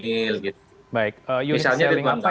baik unikseling apa ya